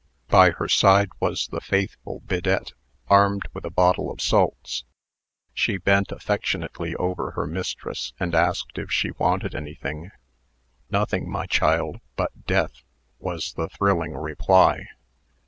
By her side was the faithful Bidette, armed with a bottle of salts. She bent affectionately over her mistress, and asked if she wanted anything. "Nothing, my child but death," was the thrilling reply.